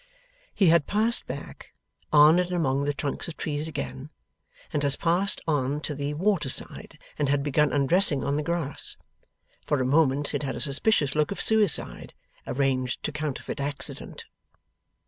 He had passed back, on and among the trunks of trees again, and has passed on to the water side and had begun undressing on the grass. For a moment it had a suspicious look of suicide, arranged to counterfeit accident.